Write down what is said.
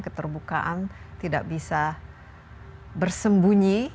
keterbukaan tidak bisa bersembunyi